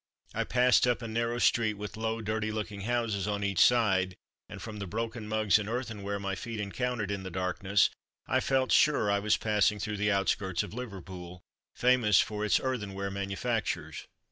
I passed up a narrow street with low dirty looking houses on each side, and from the broken mugs and earthenware my feet encountered in the darkness, I felt sure I was passing through the outskirts of Liverpool famous for its earthenware manufactures.